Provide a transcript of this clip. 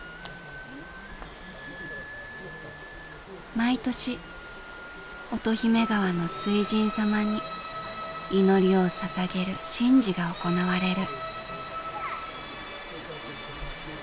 毎年乙姫川の水神様に祈りをささげる神事が行われる。